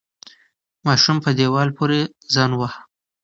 ماشوم په دیوال پورې ځان وواهه.